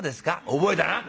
「覚えたな。